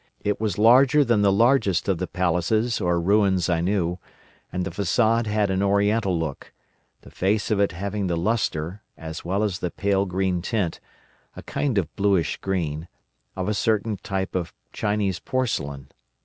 It was larger than the largest of the palaces or ruins I knew, and the façade had an Oriental look: the face of it having the lustre, as well as the pale green tint, a kind of bluish green, of a certain type of Chinese porcelain.